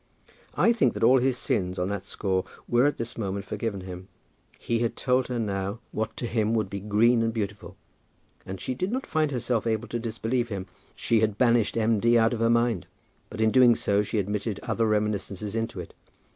I think that all his sins on that score were at this moment forgiven him. He had told her now what to him would be green and beautiful, and she did not find herself able to disbelieve him. She had banished M. D. out of her mind, but in doing so she admitted other reminiscences into it.